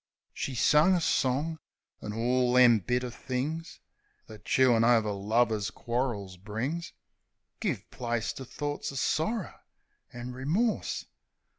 She sung a song; an' orl them bitter things That chewin' over lovers' quarrils brings Guv place to thorts of sorrer an' remorse.